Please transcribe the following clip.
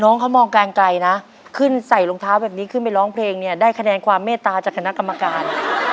น้องเขามองการไกลนะขึ้นใส่รองเท้าแบบนี้ขึ้นไปร้องเพลงเนี่ยได้คะแนนความเมตตาจากคณะกรรมการ